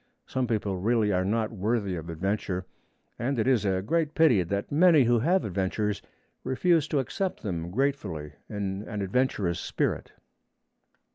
Some people really are not worthy of adventure, and it is a great pity that many who have adventures refuse to accept them gratefully in an adventurous spirit.